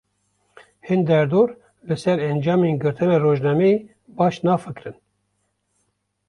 Hin derdor, li ser encamên girtina rojnameyê baş nafikirin